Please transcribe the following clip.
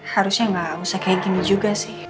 harusnya nggak usah kayak gini juga sih